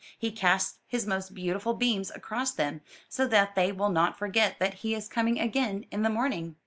He casts his most beautiful beams across them, so that they will not forget that he is coming again in the morn mg.